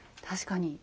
確かに。